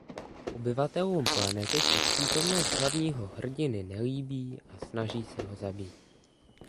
Obyvatelům planety se přítomnost hlavního hrdiny nelíbí a snaží se ho zabít.